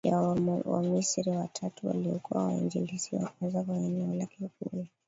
ya Wamisri watatu waliokuwa wainjilisti wa kwanza wa eneo lake Kule